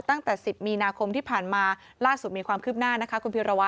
ตั้งแต่๑๐มีนาคมที่ผ่านมาล่าสุดมีความคืบหน้านะคะคุณพิรวั